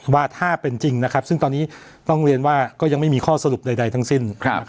ว่าถ้าเป็นจริงนะครับซึ่งตอนนี้ต้องเรียนว่าก็ยังไม่มีข้อสรุปใดทั้งสิ้น